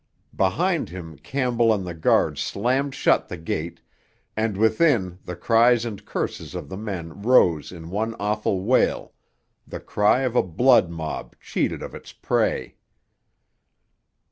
Behind him Campbell and the guard slammed shut the gate, and within the cries and curses of the men rose in one awful wail, the cry of a blood mob cheated of its prey.